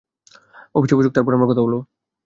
অফিসে বসুক, তারপর আমরা কথা বলব।